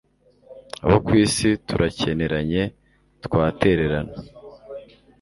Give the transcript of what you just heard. abo ku isi turakeneranye, twaterana